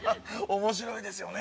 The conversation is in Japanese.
面白いですよね